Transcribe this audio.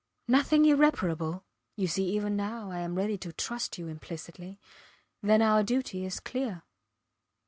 ... Nothing irreparable you see even now I am ready to trust you implicitly then our duty is clear.